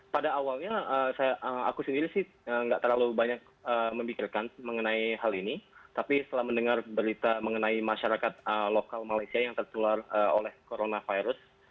pada awalnya aku sendiri sih nggak terlalu banyak memikirkan mengenai hal ini tapi setelah mendengar berita mengenai masyarakat lokal malaysia yang tertular oleh coronavirus